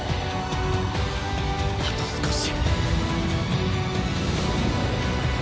「あと少し」